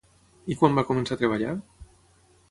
I quan va començar a treballar?